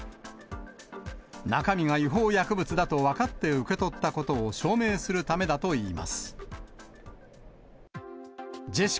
中身が違法薬物だと分かって受け取ったことを証明するためだといいます。